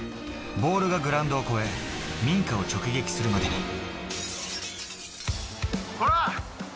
ボールがグラウンドを越え、民家を直撃するまでに。